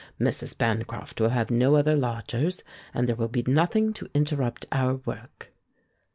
Mrs. Bancroft will have no other lodgers and there will be nothing to interrupt our work."